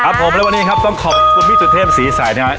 ผมและวันนี้ครับต้องขอบคุณพี่สุเทพศรีใสนะครับ